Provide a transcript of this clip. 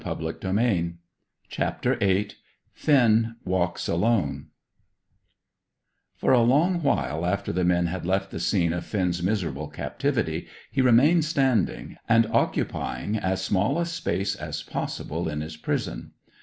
CHAPTER VIII FINN WALKS ALONE For a long while after the men had left the scene of Finn's miserable captivity, he remained standing, and occupying as small a space as possible in his prison.